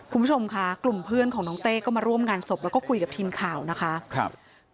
คุณผู้ชมค่ะกลุ่มเพื่อนของน้องเต้ก็มาร่วมงานศพแล้วก็กลุ่มทำงานสภ์แล้วก็คุยกับทีมข่าวนะคะ